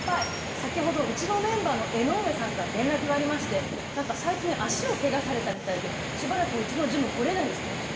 先ほどうちのメンバーの江上さんから連絡がありましてなんか最近足をケガされたみたいでしばらくうちのジム来られないっつってました。